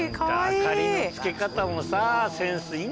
明かりのつけ方もさセンスいいんだね。